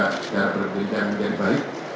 secara berkeinginan menjadi baik